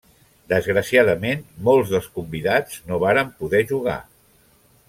Desgraciadament, molts dels convidats no varen poder jugar.